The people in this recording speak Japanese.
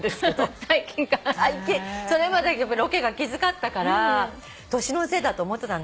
それまでロケがきつかったから年のせいだと思ってたんだけど。